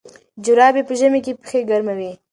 جرابې په ژمي کې پښې ګرموي.